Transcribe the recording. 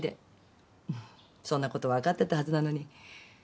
そんなこと分かってたはずなのに。